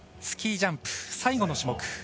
スキー・ジャンプ、最後の種目。